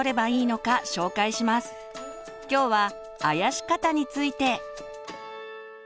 今日は「あやし方」について。